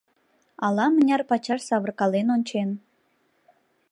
Ала-мыняр пачаш савыркален ончен.